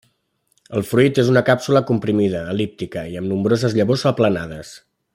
El fruit és en càpsula comprimida, el·líptica i amb nombroses llavors aplanades.